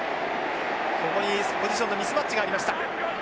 ここにポジションのミスマッチがありました。